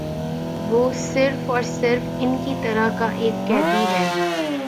وہ صرف اور صرف ان کی طرح کا ایک قیدی ہے ا